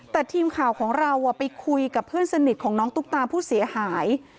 แต่ทีมข่าวของเราไปคุยกับเพื่อนสนิทของน้องตุ๊กตาผู้เสียหาย